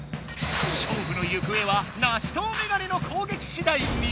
勝負のゆくえはナシトウメガネの攻撃しだいに。